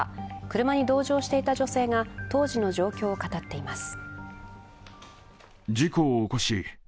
車に同乗していた女性が当時の状況を語っています。